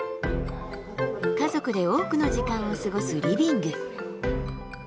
家族で多くの時間を過ごすリビング。